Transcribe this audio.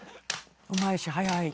うまいし速い。